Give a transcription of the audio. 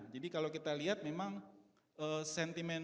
dan terakhir ini juga berita eksternalnya terkait dengan krisis perbanan